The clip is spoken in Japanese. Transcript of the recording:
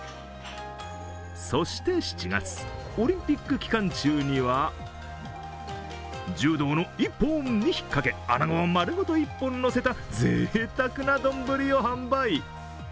そして７月、オリンピック期間中には柔道の一本に引っかけ、あなごを丸ごと１本のせたぜいたくな丼を販売。